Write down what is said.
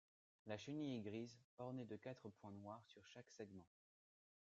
La chenille est grise ornée de quatre points noirs sur chaque segment.